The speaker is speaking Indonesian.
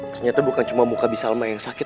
ternyata bukan cuma muka bi salma yang sakit